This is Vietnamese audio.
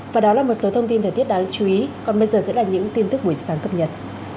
và đó là một số thông tin thời tiết đáng chú ý còn bây giờ sẽ là những tin tức buổi sáng cập nhật